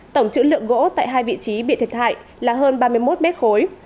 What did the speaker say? tổng chữ lượng gỗ tại hai vị trí bị thiệt hại là hơn ba mươi một mét khối